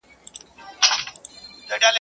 د زمري په خوله کي هم خېر غواړه.